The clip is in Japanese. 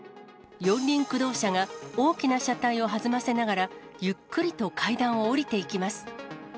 四輪駆動車が、大きな車体を弾ませながら、ゆっくりと階段を下りていきます。